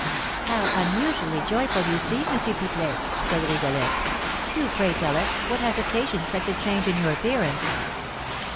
"How unusually joyful you seem, M. Pipelet," said Rigolette. "Do pray tell us what has occasioned such a change in your appearance!"